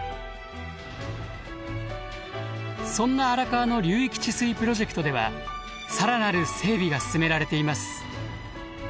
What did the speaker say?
そんな荒川の流域治水プロジェクトでは更なる整備が進められています。